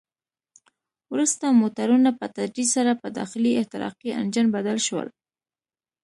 وروسته موټرونه په تدریج سره په داخلي احتراقي انجن بدل شول.